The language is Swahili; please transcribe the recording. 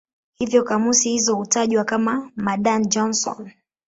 Hivyo kamusi hizo hutajwa kama "Madan-Johnson".